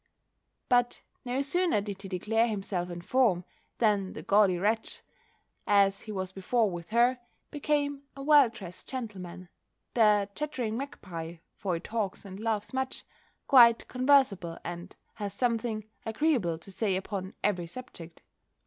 But no sooner did he declare himself in form, than the gaudy wretch, as he was before with her, became a well dressed gentleman; the chattering magpie (for he talks and laughs much), quite conversable, and has something agreeable to say upon every subject.